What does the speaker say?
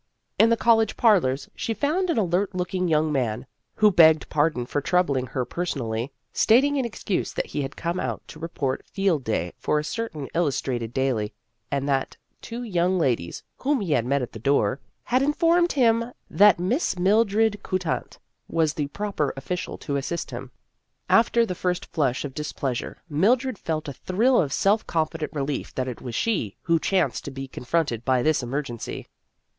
In the college parlors she found an alert looking young man, who begged par don for troubling her personally, stating in excuse that he had come out to report Field Day for a certain illustrated daily, and that two young ladies, whom he had met at the door, had informed him that i6'6 Vassar Studies Miss Mildred Coutant was the proper of ficial to assist him. After the first flush of displeasure, Mil dred felt a thrill of self confident relief that it was she who chanced to be confronted by this emergency.